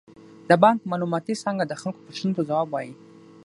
د بانک معلوماتي څانګه د خلکو پوښتنو ته ځواب وايي.